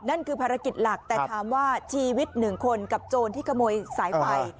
นั่นคือภารกิจหลักแต่ถามว่าชีวิตหนึ่งคนกับโจรที่ขโมยสายไฟ